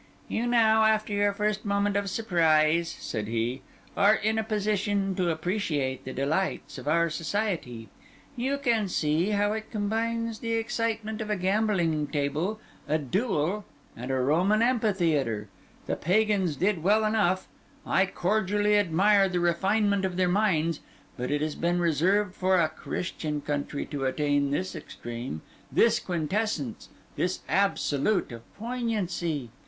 "You now, after your first moment of surprise," said he, "are in a position to appreciate the delights of our society. You can see how it combines the excitement of a gaming table, a duel, and a Roman amphitheatre. The Pagans did well enough; I cordially admire the refinement of their minds; but it has been reserved for a Christian country to attain this extreme, this quintessence, this absolute of poignancy.